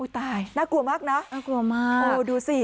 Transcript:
อู้วตายน่ากลัวมากนะดูสิน่ากลัวมาก